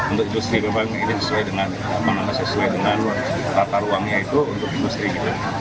untuk industri memang ini sesuai dengan rata ruangnya itu untuk industri